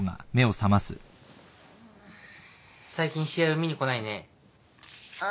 最近試合を見に来ないね。あっ？